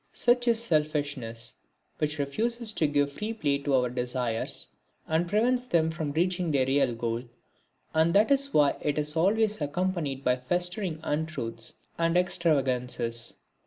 Such is selfishness which refuses to give free play to our desires, and prevents them from reaching their real goal, and that is why it is always accompanied by festering untruths and extravagances.